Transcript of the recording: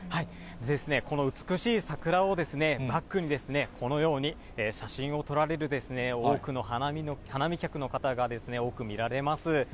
この美しい桜をバックに、このように写真を撮られる多くの花見客の方が多く見られます。